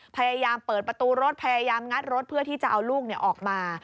พยายามเปิดประตูรถพยายามงัดรถเพื่อที่จะเอาลูกออกมา